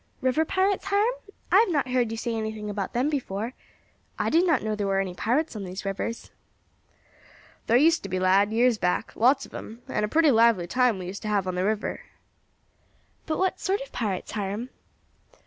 "River pirates, Hiram? I have not heard you say anything about them before. I did not know there were any pirates on these rivers." "Thar used to be, lad, years back, lots of them, and a pretty lively time we used to have on the river." "But what sort of pirates, Hiram?"